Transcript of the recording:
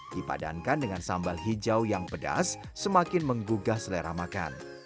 dipadankan dengan sambal hijau yang pedas semakin menggugah selera makan